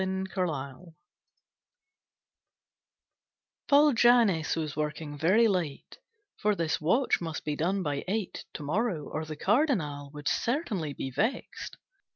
_ The Shadow Paul Jannes was working very late, For this watch must be done by eight To morrow or the Cardinal Would certainly be vexed.